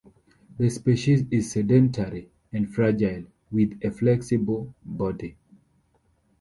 The species is sedentary and fragile, with a flexible body.